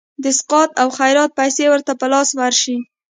د سقاط او خیرات پیسي ورته په لاس ورشي.